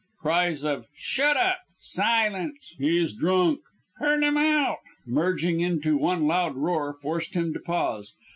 Cries of "Shut up!" "Silence!" "He's drunk!" "Turn him out!" merging into one loud roar forced him to pause.